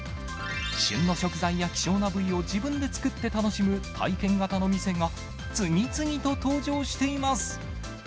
旬の食材や希少な部位を自分で作って楽しむ体験型の店が、次々と登場しています。